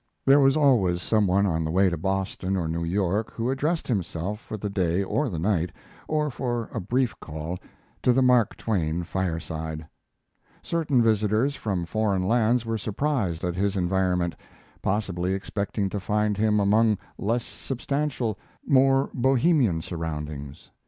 There was always some one on the way to Boston or New York who addressed himself for the day or the night, or for a brief call, to the Mark Twain fireside. Certain visitors from foreign lands were surprised at his environment, possibly expecting to find him among less substantial, more bohemian surroundings.